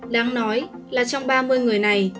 đáng nói là trong ba mươi người này